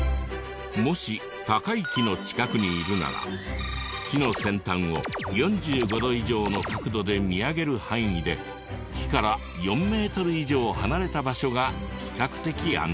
もし高い木の近くにいるなら木の先端を４５度以上の角度で見上げる範囲で木から４メートル以上離れた場所が比較的安全。